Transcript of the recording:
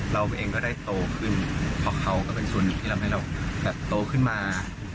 เราเองก็ได้โตขึ้นเพราะเขาก็เป็นส่วนหนึ่งที่ทำให้เราแบบโตขึ้นมา